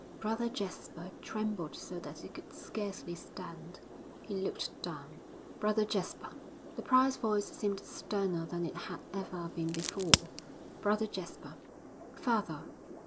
Brother Jasper trembled so that he could scarcely stand; he looked down. 'Brother Jasper!' The prior's voice seemed sterner than it had ever been before. 'Brother Jasper!' 'Father!'